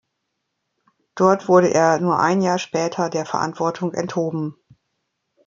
Dort wurde er nur ein Jahr später der Verantwortung enthoben.